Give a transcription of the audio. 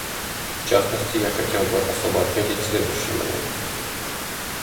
В частности, я хотел бы особо отметить следующее моменты.